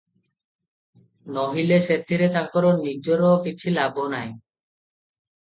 ନୋହିଲେ ସେଥିରେ ତାଙ୍କର ନିଜର କିଛିଲାଭ ନାହିଁ ।